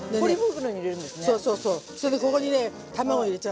それでここにね卵入れちゃうでしょ。